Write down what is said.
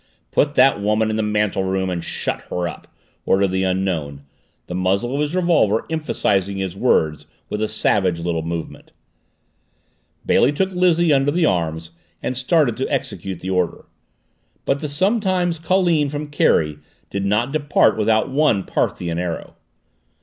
"Put that woman in the mantel room and shut her up!" ordered the Unknown, the muzzle of his revolver emphasizing his words with a savage little movement. Bailey took Lizzie under the arms and started to execute the order. But the sometime colleen from Kerry did not depart without one Parthian arrow.